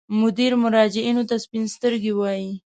مدیر مراجعینو ته سپین سترګي وایي.